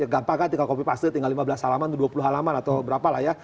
gampang kan tinggal copy paste tinggal lima belas halaman itu dua puluh halaman atau berapa lah ya